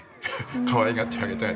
可愛がってあげたい。